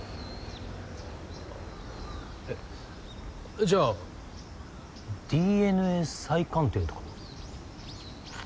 えっじゃあＤＮＡ再鑑定とかは？